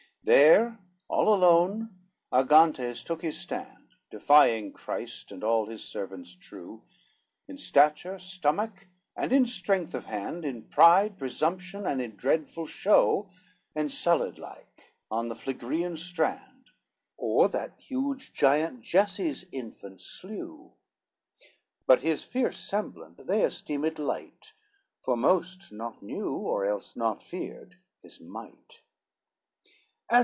XXIII There all alone Argantes took his stand, Defying Christ and all his servants true, In stature, stomach, and in strength of hand, In pride, presumption, and in dreadful show, Encelade like, on the Phlegrean strand, Or that huge giant Jesse's infant slew; But his fierce semblant they esteemed light, For most not knew, or else not feared his might.